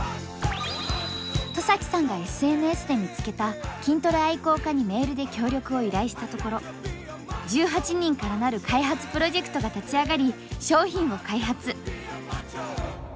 戸崎さんがＳＮＳで見つけた筋トレ愛好家にメールで協力を依頼したところ１８人からなる開発プロジェクトが立ち上がり商品を開発。